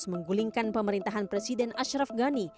menggulingkan pemerintahan presiden ashraf ghani